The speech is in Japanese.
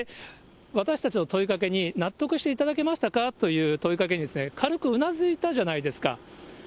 私たちの問いかけに納得していただけましたか？という問いかけにですね、軽くうなずいたじゃないですか。